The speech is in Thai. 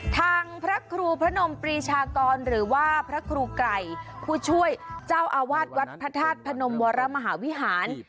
ทางพระครูพระนมปรีชากรหรือว่าพระครูไก่ผู้ช่วยเจ้าอาวาสวัดพระธาตุพนมวรมหาวิหาร